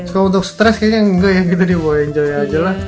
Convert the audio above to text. kalau untuk stres kayaknya enggak ya gitu di bawah yang jauh aja lah